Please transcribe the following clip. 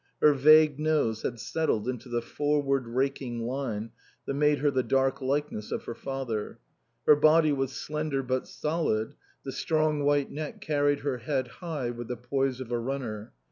Her vague nose had settled into the forward raking line that made her the dark likeness of her father. Her body was slender but solid; the strong white neck carried her head high with the poise of a runner.